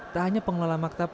tak hanya pengelola maktab